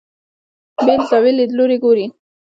بېل زاویې لیدلوري ګوري.